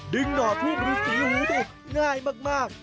ดึงนอทูบฤษีหูต้นง่ายมาก